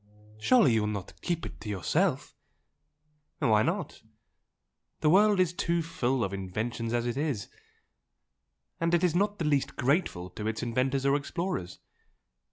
"Surely you will not keep it to yourself?" "Why not? The world is too full of inventions as it is and it is not the least grateful to its inventors or explorers.